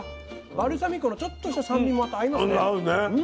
バルサミコのちょっとした酸味もまた合いますね。